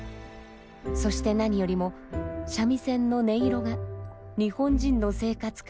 そして何よりも三味線の音色が日本人の生活から消えつつあること。